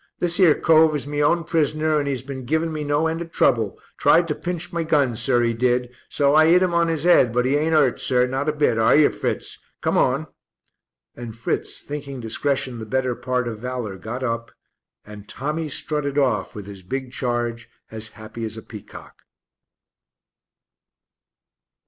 This 'ere cove is my own prisoner and 'e's been giving me no end of trouble, tried to pinch my gun, sir, 'e did, so I 'it 'im on 'is head, but 'e ain't 'urt, sir, not a bit, are yer, Fritz? Come on." And Fritz, thinking discretion the better part of valour, got up, and Tommy strutted off with his big charge as happy as a peacock.